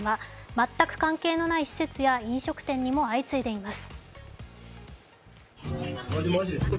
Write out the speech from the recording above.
全く関係のない施設や飲食店にも相次いでいます。